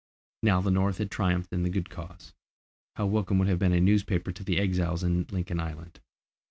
Now the North had triumphed in the good cause, how welcome would have been a newspaper to the exiles in Lincoln Island!